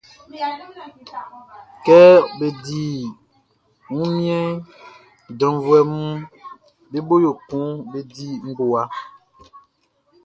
Kɛ bé dí wunmiɛnʼn, janvuɛʼm be bo yo kun be di ngowa.